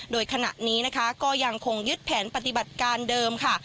โดยขณะนี้นะคะก็ยังคงยึดแผนปฏิบัติการเดิมค่ะ